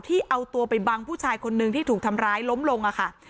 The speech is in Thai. ที่เอาตัวไปบังผู้ชายคนนึงที่ถูกทำร้ายล้มลงค่ะ